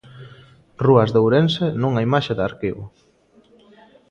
Rúas de Ourense nunha imaxe de arquivo.